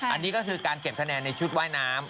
อันนี้ก็คือการเก็บคะแนนในชุดว่ายน้ำ